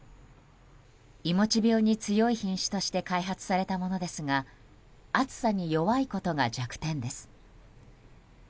いもち病に強い品種として開発されたものですが暑さに弱いことが弱点です。